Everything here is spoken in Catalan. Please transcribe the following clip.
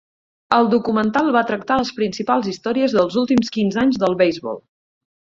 El documental va tractar les principals històries dels últims quinze anys del beisbol.